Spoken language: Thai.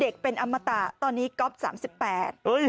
เด็กเป็นอมทะตอนนี้ก็๓๘แหละ